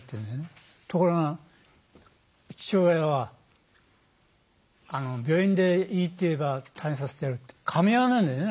ところが父親は病院でいいって言えば退院させてやるってかみ合わないんだよね